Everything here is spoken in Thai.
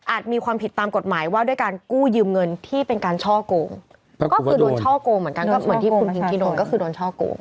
อาจมีความผิดตามกฏหมายด้วยการกู้ยืมเงินหลังช่อกงก็คือโดนช่อกงเหมือนคุณพิงกี้ก็คือโดนช่อกง